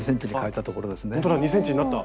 ほんとだ２ｃｍになった。